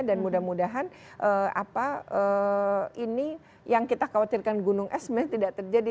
dan mudah mudahan ini yang kita khawatirkan gunung es sebenarnya tidak terjadi